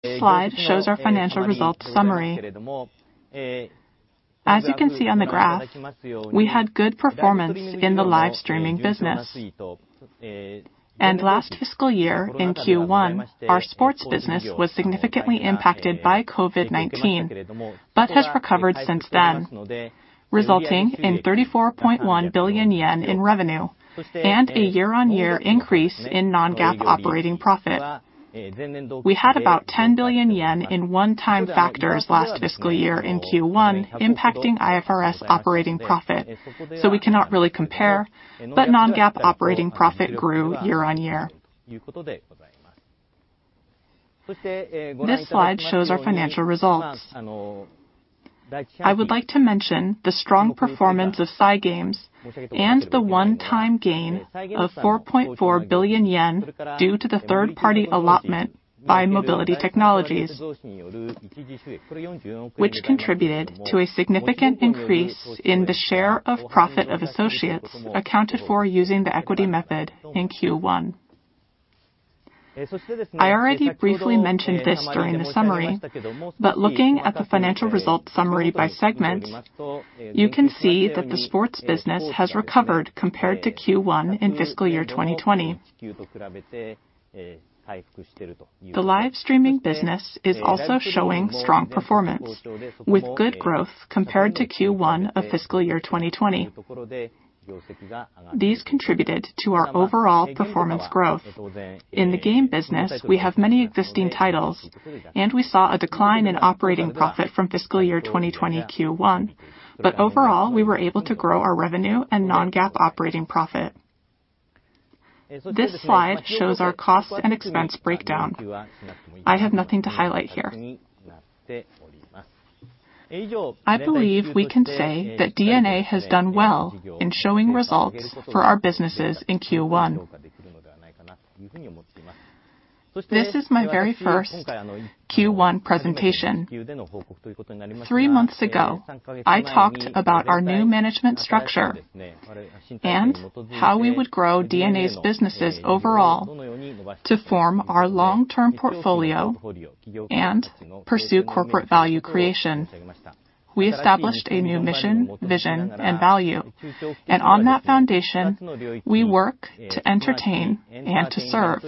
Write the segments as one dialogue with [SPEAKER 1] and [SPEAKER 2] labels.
[SPEAKER 1] This slide shows our financial results summary. As you can see on the graph, we had good performance in the live streaming business. Last fiscal year, in Q1, our sports business was significantly impacted by COVID-19, but has recovered since then, resulting in 34.1 billion yen in revenue and a year-on-year increase in non-GAAP operating profit. We had about 10 billion yen in one-time factors last fiscal year in Q1 impacting IFRS operating profit, so we cannot really compare, but non-GAAP operating profit grew year-on-year. This slide shows our financial results. I would like to mention the strong performance of Cygames and the one-time gain of 4.4 billion yen due to the third-party allotment by Mobility Technologies, which contributed to a significant increase in the share of profit of associates accounted for using the equity method in Q1. I already briefly mentioned this during the summary, but looking at the financial results summary by segment, you can see that the sports business has recovered compared to Q1 in fiscal year 2020. The live streaming business is also showing strong performance, with good growth compared to Q1 of fiscal year 2020. These contributed to our overall performance growth. In the game business, we have many existing titles, and we saw a decline in operating profit from fiscal year 2020 Q1, but overall, we were able to grow our revenue and non-GAAP operating profit. This slide shows our cost and expense breakdown. I have nothing to highlight here. I believe we can say that DeNA has done well in showing results for our businesses in Q1. This is my very first Q1 presentation. Three months ago, I talked about our new management structure and how we would grow DeNA's businesses overall to form our long-term portfolio and pursue corporate value creation. We established a new mission, vision, and value. On that foundation, we work to entertain and to serve.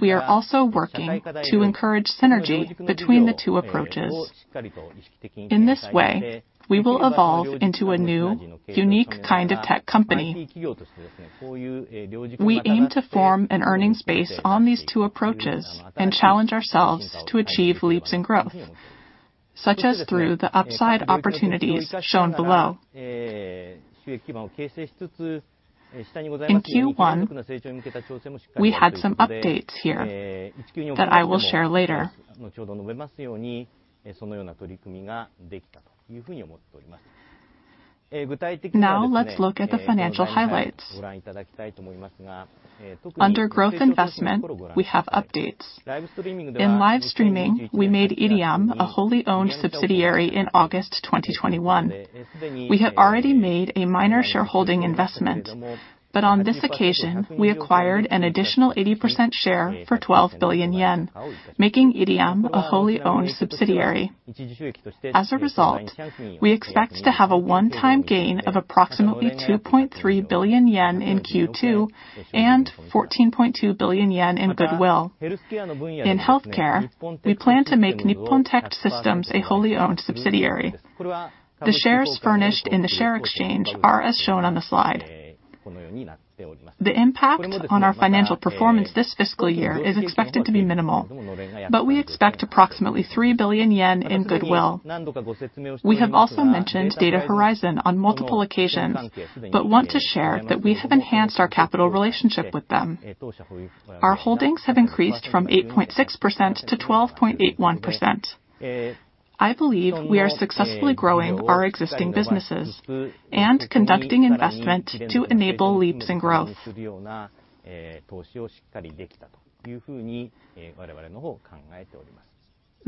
[SPEAKER 1] We are also working to encourage synergy between the two approaches. In this way, we will evolve into a new, unique kind of tech company. We aim to form an earnings base on these two approaches and challenge ourselves to achieve leaps in growth, such as through the upside opportunities shown below. In Q1, we had some updates here that I will share later. Let's look at the financial highlights. Under growth investment, we have updates. In live streaming, we made IRIAM a wholly owned subsidiary in August 2021. We had already made a minor shareholding investment, but on this occasion, we acquired an additional 80% share for 12 billion yen, making IRIAM a wholly owned subsidiary. As a result, we expect to have a one-time gain of approximately 2.3 billion yen in Q2 and 14.2 billion yen in goodwill. In healthcare, we plan to make Nippontect Systems a wholly owned subsidiary. The shares furnished in the share exchange are as shown on the slide. The impact on our financial performance this fiscal year is expected to be minimal, but we expect approximately 3 billion yen in goodwill. We have also mentioned DATA HORIZON on multiple occasions, but want to share that we have enhanced our capital relationship with them. Our holdings have increased from 8.6% to 12.81%. I believe we are successfully growing our existing businesses and conducting investment to enable leaps in growth.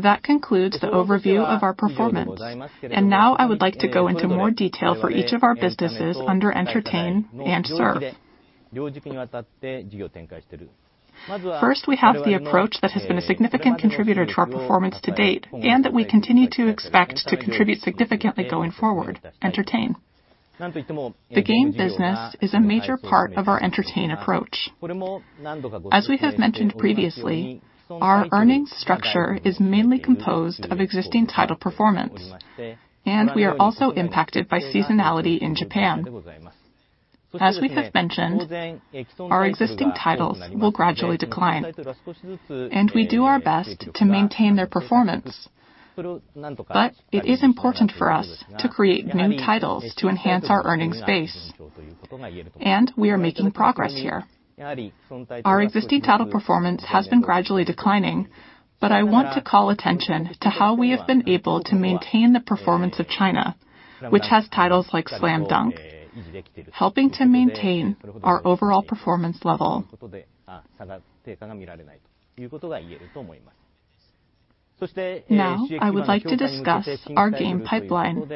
[SPEAKER 1] That concludes the overview of our performance, and now I would like to go into more detail for each of our businesses under entertain and serve. First, we have the approach that has been a significant contributor to our performance to date and that we continue to expect to contribute significantly going forward: entertain. The game business is a major part of our entertain approach. As we have mentioned previously, our earnings structure is mainly composed of existing title performance, and we are also impacted by seasonality in Japan. As we have mentioned, our existing titles will gradually decline, and we do our best to maintain their performance. It is important for us to create new titles to enhance our earnings base, and we are making progress here. Our existing title performance has been gradually declining, but I want to call attention to how we have been able to maintain the performance of China, which has titles like Slam Dunk, helping to maintain our overall performance level. I would like to discuss our game pipeline.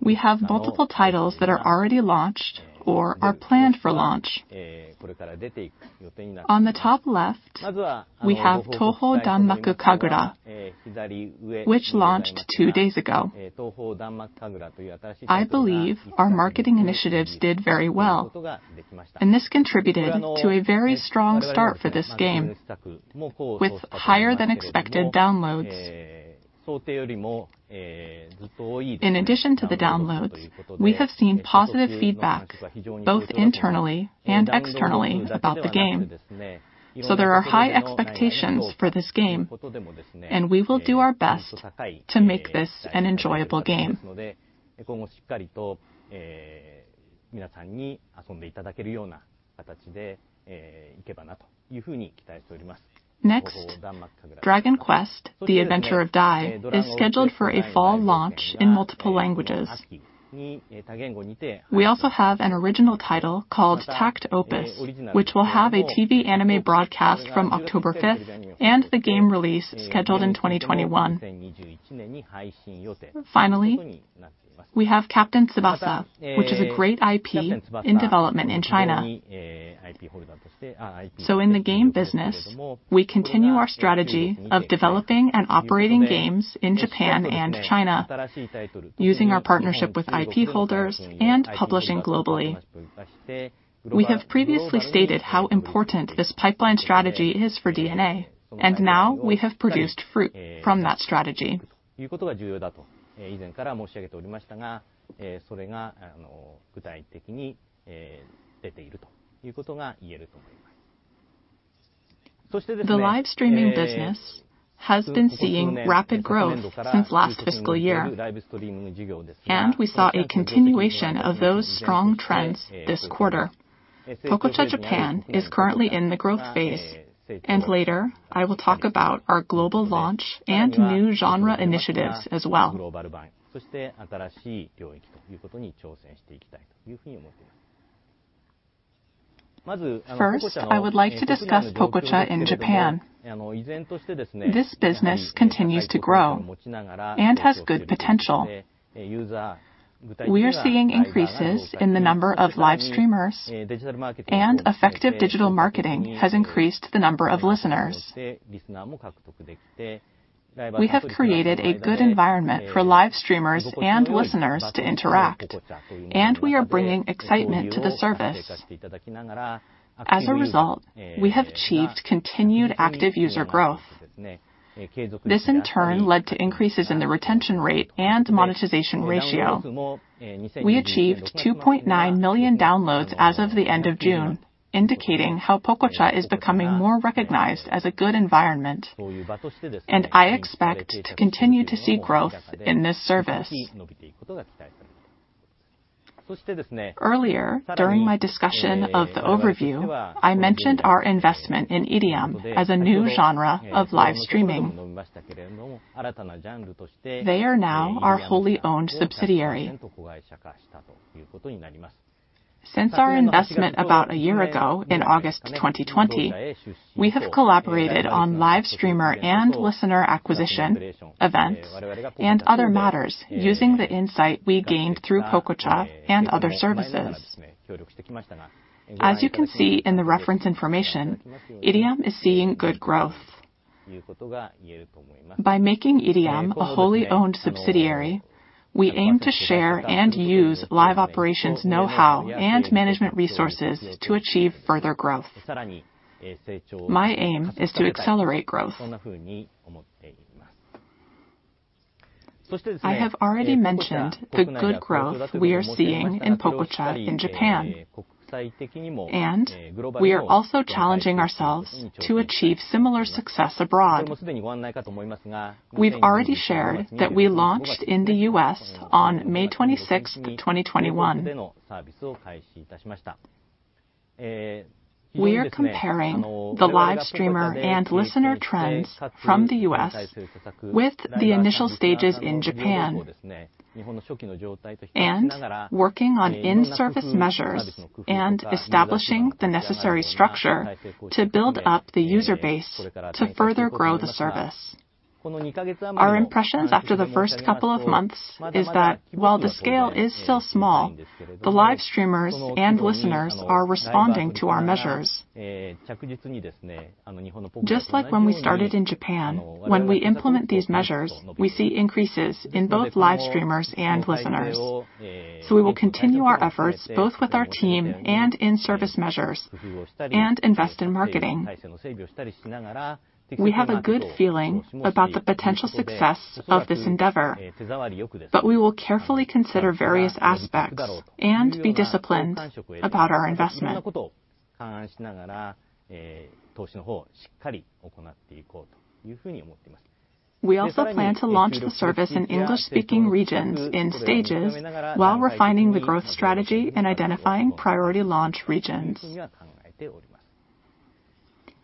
[SPEAKER 1] We have multiple titles that are already launched or are planned for launch. On the top left, we have Touhou Danmaku Kagura, which launched two days ago. I believe our marketing initiatives did very well, and this contributed to a very strong start for this game, with higher than expected downloads. In addition to the downloads, we have seen positive feedback both internally and externally about the game. There are high expectations for this game, and we will do our best to make this an enjoyable game. Next, Dragon Quest: The Adventure of Dai is scheduled for a fall launch in multiple languages. We also have an original title called takt op. which will have a TV anime broadcast from October 5th, and the game release scheduled in 2021. Finally, we have Captain Tsubasa, which is a great IP in development in China. In the game business, we continue our strategy of developing and operating games in Japan and China using our partnership with IP holders and publishing globally. We have previously stated how important this pipeline strategy is for DeNA, and now we have produced fruit from that strategy. The live streaming business has been seeing rapid growth since last fiscal year, and we saw a continuation of those strong trends this quarter. Pococha Japan is currently in the growth phase, and later I will talk about our global launch and new genre initiatives as well. First, I would like to discuss Pococha in Japan. This business continues to grow and has good potential. We're seeing increases in the number of live streamers and effective digital marketing has increased the number of listeners. We have created a good environment for live streamers and listeners to interact, and we are bringing excitement to the service. As a result, we have achieved continued active user growth. This in turn led to increases in the retention rate and monetization ratio. We achieved 2.9 million downloads as of the end of June, indicating how Pococha is becoming more recognized as a good environment, and I expect to continue to see growth in this service. Earlier during my discussion of the overview, I mentioned our investment in IRIAM as a new genre of live streaming. They are now our wholly owned subsidiary. Since our investment about one year ago in August 2020, we have collaborated on live streamer and listener acquisition, events, and other matters using the insight we gained through Pococha and other services. As you can see in the reference information, IRIAM is seeing good growth. By making IRIAM a wholly owned subsidiary, we aim to share and use live operations knowhow and management resources to achieve further growth. My aim is to accelerate growth. I have already mentioned the good growth we are seeing in Pococha in Japan, and we are also challenging ourselves to achieve similar success abroad. We've already shared that we launched in the U.S. on May 26th, 2021. We are comparing the live streamer and listener trends from the U.S. with the initial stages in Japan, and working on in-service measures and establishing the necessary structure to build up the user base to further grow the service. Our impressions after the first couple of months is that while the scale is still small, the live streamers and listeners are responding to our measures. Just like when we started in Japan, when we implement these measures, we see increases in both live streamers and listeners. We will continue our efforts both with our team and in-service measures and invest in marketing. We have a good feeling about the potential success of this endeavor, but we will carefully consider various aspects and be disciplined about our investment. We also plan to launch the service in English-speaking regions in stages while refining the growth strategy and identifying priority launch regions.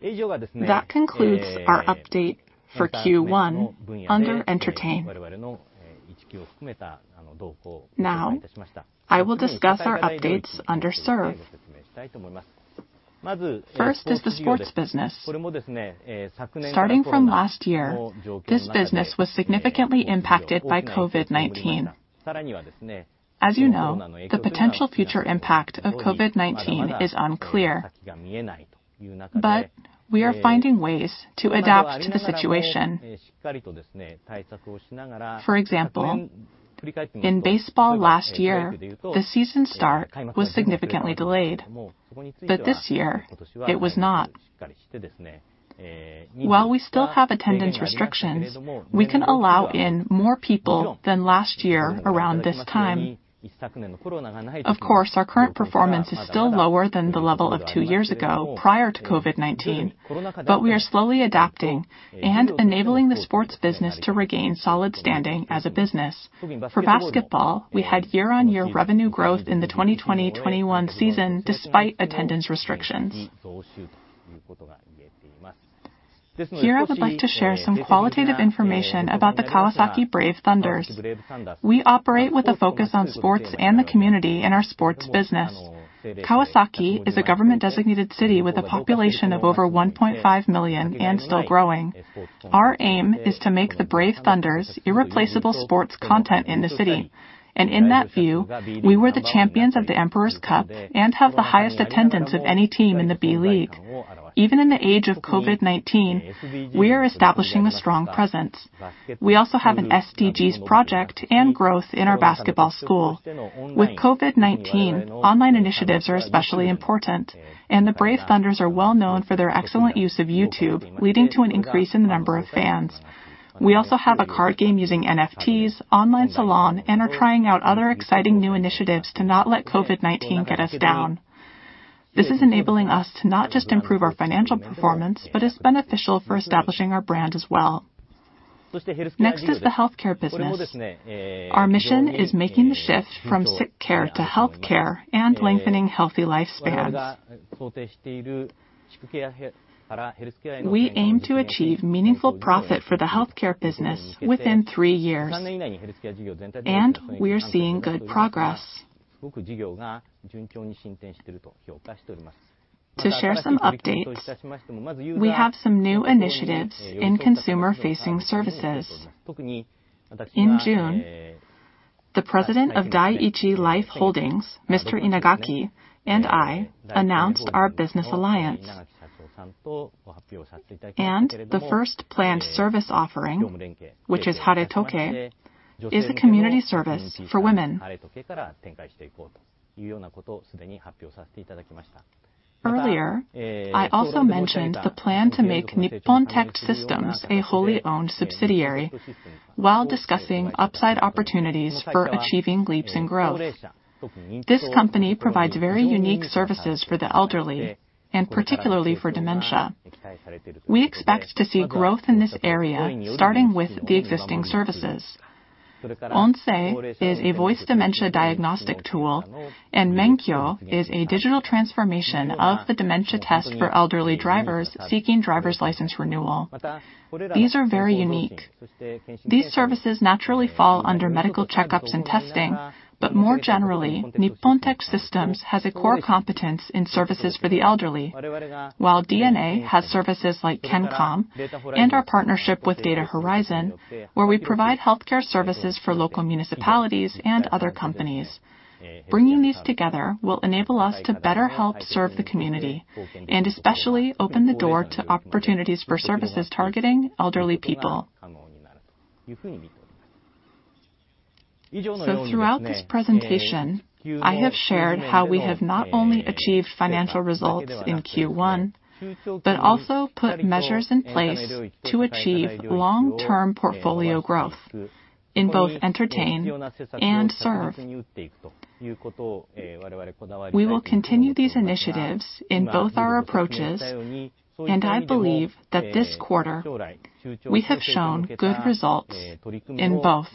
[SPEAKER 1] That concludes our update for Q1 under entertain. Now, I will discuss our updates under Serve. First is the sports business. Starting from last year, this business was significantly impacted by COVID-19. As you know, the potential future impact of COVID-19 is unclear, we are finding ways to adapt to the situation. For example, in baseball last year, the season start was significantly delayed, this year it was not. While we still have attendance restrictions, we can allow in more people than last year around this time. Of course, our current performance is still lower than the level of two years ago prior to COVID-19, we are slowly adapting and enabling the sports business to regain solid standing as a business. For basketball, we had year-on-year revenue growth in the 2020/21 season despite attendance restrictions. Here, I would like to share some qualitative information about the Kawasaki Brave Thunders. We operate with a focus on sports and the community in our sports business. Kawasaki is a government-designated city with a population of over 1.5 million and still growing. Our aim is to make the Brave Thunders irreplaceable sports content in the city, and in that view, we were the champions of the Emperor's Cup and have the highest attendance of any team in the B.LEAGUE. Even in the age of COVID-19, we are establishing a strong presence. We also have an SDGs project and growth in our basketball school. With COVID-19, online initiatives are especially important, and the Brave Thunders are well-known for their excellent use of YouTube, leading to an increase in the number of fans. We also have a card game using NFTs, online salon, and are trying out other exciting new initiatives to not let COVID-19 get us down. This is enabling us to not just improve our financial performance, but is beneficial for establishing our brand as well. Next is the healthcare business. Our mission is making the shift from sick care to healthcare and lengthening healthy lifespans. We aim to achieve meaningful profit for the healthcare business within three years, and we are seeing good progress. To share some updates, we have some new initiatives in consumer-facing services. In June, the President of Dai-ichi Life Holdings, Mr. Inagaki, and I announced our business alliance. The first planned service offering, which is Haretokei, is a community service for women. Earlier, I also mentioned the plan to make Nippontect Systems a wholly owned subsidiary while discussing upside opportunities for achieving leaps in growth. This company provides very unique services for the elderly, and particularly for dementia. We expect to see growth in this area, starting with the existing services. ONSEI is a voice dementia diagnostic tool, and MENKYO is a digital transformation of the dementia test for elderly drivers seeking driver's license renewal. These are very unique. These services naturally fall under medical checkups and testing, but more generally, Nippontect Systems has a core competence in services for the elderly. While DeNA has services like kencom and our partnership with DATA HORIZON, where we provide healthcare services for local municipalities and other companies, bringing these together will enable us to better help serve the community, and especially open the door to opportunities for services targeting elderly people. Throughout this presentation, I have shared how we have not only achieved financial results in Q1 but also put measures in place to achieve long-term portfolio growth in both Entertain and Serve. We will continue these initiatives in both our approaches, and I believe that this quarter we have shown good results in both.